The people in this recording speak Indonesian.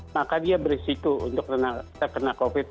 maka dia berisiko untuk terkena covid sembilan belas